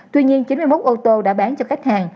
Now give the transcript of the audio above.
tuy nhiên chín mươi một ô tô đã bán cho khách hàng